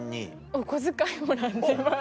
お小遣いもらってます。